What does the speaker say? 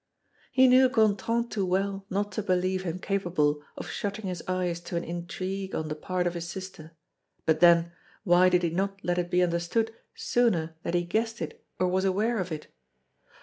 He knew Gontran too well not to believe him capable of shutting his eyes to an intrigue on the part of his sister. But then, why did he not let it be understood sooner that he guessed it or was aware of it?